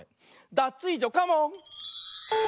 ダツイージョカモン！